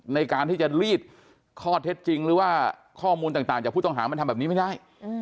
ในการที่จะลีดข้อเท็จจริงหรือว่าข้อมูลต่างจากผู้ต้องหามันทำแบบนี้ไม่ได้